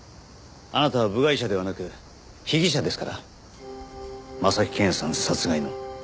あなたは部外者ではなく被疑者ですから征木健也さん殺害の。